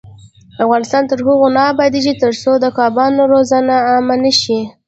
افغانستان تر هغو نه ابادیږي، ترڅو د کبانو روزنه عامه نشي.